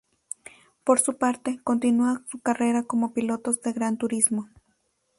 Por su parte, continúa su carrera como pilotos de gran turismos.